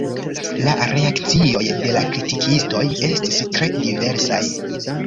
La reakcioj de la kritikistoj estis tre diversaj.